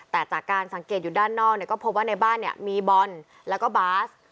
แต่จากการสังเกตอยู่ด้านนอกเนี่ยก็พบว่าในบ้านเนี่ยมีบอลแล้วก็บาส